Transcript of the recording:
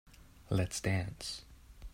Let's dance.